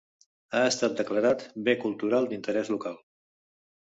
Ha estat declarat Bé Cultural d'Interès Local.